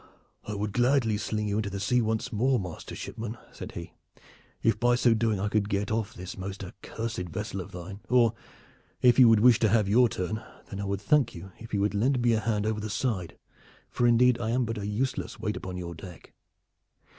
"I would gladly sling you into the sea once more, master shipman," said he, "if by so doing I could get off this most accursed vessel of thine. Or if you would wish to have your turn, then I would thank you if you would lend me a hand over the side, for indeed I am but a useless weight upon your deck.